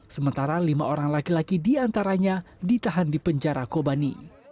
sementara lima orang laki laki diantaranya ditahan di penjara kobani